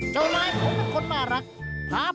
เกิดไม่ทันอ่ะ